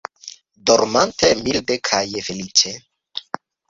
Dormante milde kaj feliĉe!